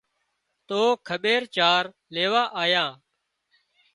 تو کٻير چار ليوا آيان